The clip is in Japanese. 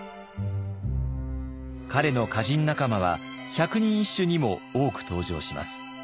彼の歌人仲間は百人一首にも多く登場します。